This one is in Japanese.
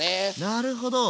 なるほど。